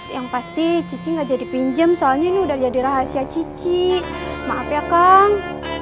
yang pasti cici gak jadi pinjam soalnya ini udah jadi rahasia cici maaf ya kang